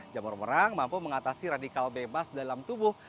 jamur merang mampu mengatasi radikal bebas dalam tubuh